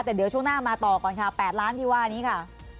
แต่เดี๋ยวช่วงหน้ามาต่อก่อนค่ะ๘ล้านที่ว่านี้ค่ะ